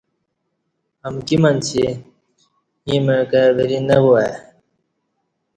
امکی منچی ایں مع کائی وری نہ وا آئی